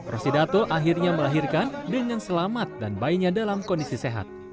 rosidato akhirnya melahirkan dengan selamat dan bayinya dalam kondisi sehat